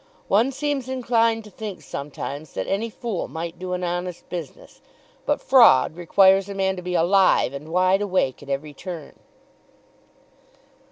One seems inclined to think sometimes that any fool might do an honest business. But fraud requires a man to be alive and wide awake at every turn!